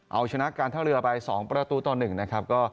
เอาชนะกรรทะเบลือไปสองประตูตอนหนึ่งนะครับ